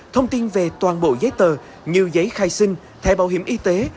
thông tin về toàn bộ giấy tờ như giấy khai sinh thẻ bảo hiểm y tế